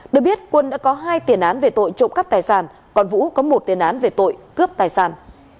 được biết quân đã có hai tiền án về tội trộm cắp tài sản còn vũ có một tiền án về tội cướp tài sản